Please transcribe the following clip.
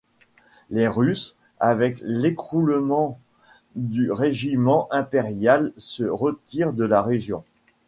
Les Russes, avec l'écroulement du régime impérial, se retirent de la région.